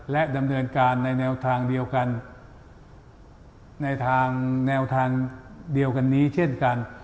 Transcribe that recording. และดำเนินการในแนวทางเดียวกันนี้เช่นกัน